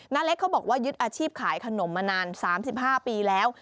เล็กเขาบอกว่ายึดอาชีพขายขนมมานาน๓๕ปีแล้ว